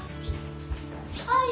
はい。